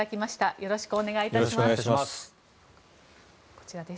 よろしくお願いします。